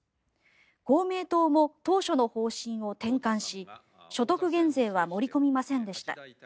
公明党も当初の方針を転換し所得減税は盛り込みませんでした。